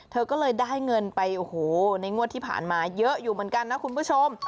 เธอก็เลยได้เงินไปโอ้โหในงวดที่ผ่านมาเยอะอยู่เหมือนกันนะคุณผู้ชม